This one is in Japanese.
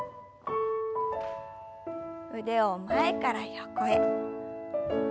腕を前から横へ。